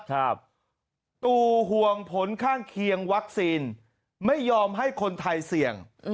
ตู่ห่วงผลข้างเคียงวัคซีนไม่ยอมให้คนไทยเสี่ยง